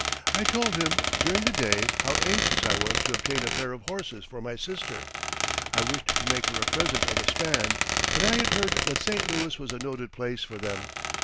I told him, during the day, how anxious I was to obtain a pair of horses for my sister. I wished to make her a present of a span, and I had heard that St. Louis was a noted place for them.